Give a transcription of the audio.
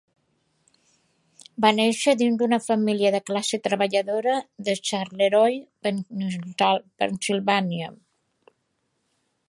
Va néixer dins d'una família de classe treballadora de Charleroi, Pennsilvània.